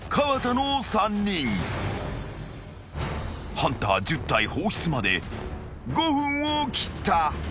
［ハンター１０体放出まで５分を切った］